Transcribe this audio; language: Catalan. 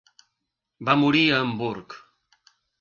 Va morir a Hamburg.